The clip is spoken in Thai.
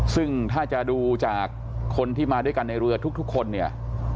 ซึ่งถ้าจะดูจากคนที่มาด้วยกันในเรือทุกคนเนี่ย